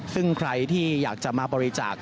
ซึ่งใครที่อยากจะมาบริจาค